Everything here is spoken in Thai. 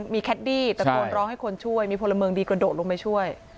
มีแคดดี้ตะโกนร้องให้คนช่วยมีพลเมืองดีกระโดดลงไปช่วย